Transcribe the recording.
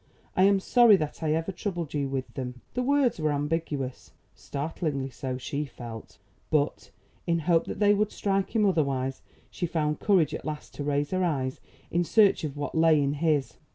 I am sorry that I ever troubled you with them." The words were ambiguous; startlingly so, she felt; but, in hope that they would strike him otherwise, she found courage at last to raise her eyes in search of what lay in his.